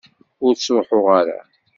Ur ttṛuḥuɣ ara.